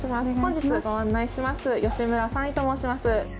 本日ご案内します、吉村３尉と申します。